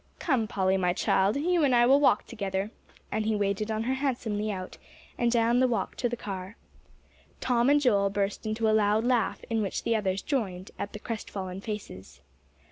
"Come, Polly, my child, you and I will walk together," and he waited on her handsomely out, and down the walk to the car. Tom and Joel burst into a loud laugh, in which the others joined, at the crestfallen faces.